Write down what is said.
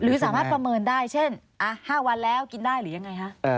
สามารถประเมินได้เช่น๕วันแล้วกินได้หรือยังไงคะ